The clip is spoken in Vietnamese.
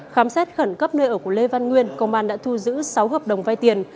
khám xét khẩn cấp nơi ở của lê văn nguyên công an đã thu giữ sáu hợp đồng vai tiền